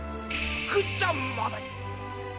福ちゃんまで。